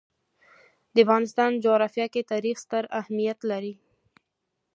د افغانستان جغرافیه کې تاریخ ستر اهمیت لري.